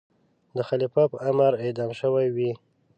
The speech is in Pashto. د خلیفه په امر اعدام شوی وي.